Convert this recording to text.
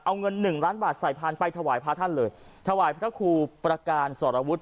เอาเงินหนึ่งล้านบาทใส่พานไปถวายพระท่านเลยถวายพระครูประการสรวุฒิ